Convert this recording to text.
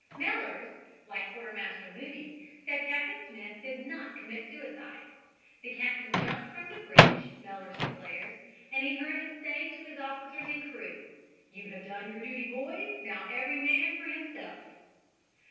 Mellers, like Quartermaster Moody, said Captain Smith did not commit suicide. The captain jumped from the bridge, Mellers declares, and he heard him say to his officers and crew: "You have done your duty, boys. Now every man for himself."